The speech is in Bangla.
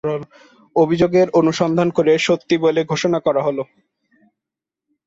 অভিযোগের অনুসন্ধান করে সত্যি বলে ঘোষণা করা হল।